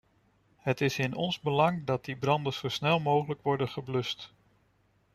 Het is in ons belang dat die branden zo snel mogelijk worden geblust.